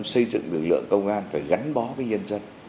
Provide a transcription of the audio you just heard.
xây dựng lực lượng công an phải gắn bó với nhân dân